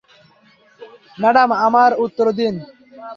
Madam, আমাদের উত্তর দিন।